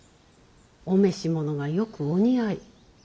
お召し物がよくお似合い。